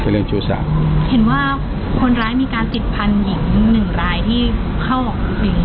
เรื่องชู้สาวเห็นว่าคนร้ายมีการติดพันธุ์หญิงหนึ่งรายที่เข้าออกผู้หญิง